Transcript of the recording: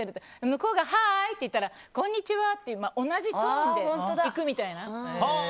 向こうがハイ！って言ったらこんにちは！って同じトーンでいくみたいな。